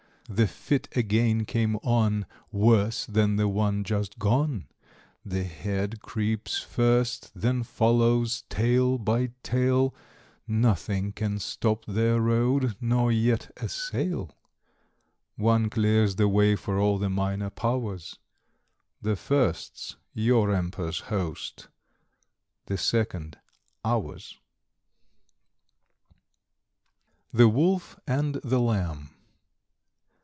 The fit again came on, Worse than the one just gone. The head creeps first, then follows tail by tail; Nothing can stop their road, nor yet assail; One clears the way for all the minor powers: The first's your Emperor's host, the second ours." [Illustration: THE WOLF AND THE LAMB.] FABLE XII. THE WOLF AND THE LAMB.